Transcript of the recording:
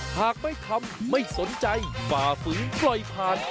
หากไม่ทำไม่สนใจฝ่าฝืนปล่อยผ่าน